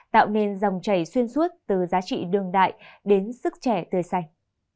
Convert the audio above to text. tạo nên dòng chảy xuyên suốt từ giá trị đương đại đến sức trẻ tươi xanh